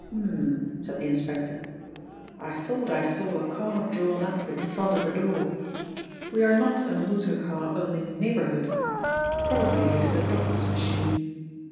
"H'm," said the inspector. "I thought I saw a car drawn up in front of the door. We are not a motor car owning neighbourhood; probably it is a doctor's machine."